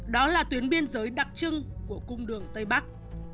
đó là tuyến biên giới đặc trưng của cung đường tây bắc